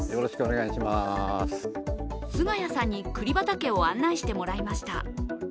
菅谷さんに栗畑を案内してもらいました。